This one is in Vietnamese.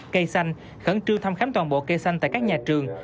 cây xanh khẩn trương thăm khám toàn bộ cây xanh tại các nhà trường